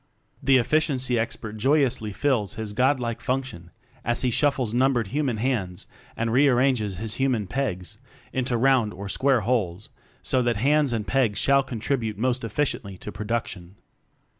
The Efficiency Expert joyously fills his God like function as he shuffles numbered human 'hands" and rearranges his human "pegs" into round or square holes, so that "hands" and "pegs" shall contribute most efficiently to production.